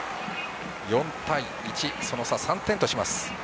４対１その差３点とします。